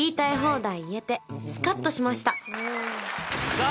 さあ